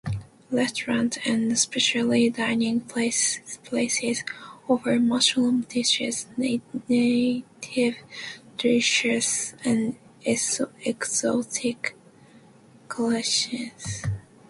Restaurants and specialty dining places offer mushroom dishes, native delicacies and exotic cuisines.